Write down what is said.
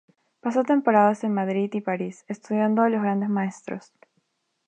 Pasó temporadas en Madrid y París estudiando a los grandes maestros.